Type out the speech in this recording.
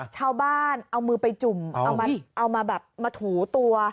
ชาวบ้านเอามือไปจุ่มเอามาแบบมาถูตัว